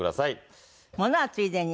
ものはついでに。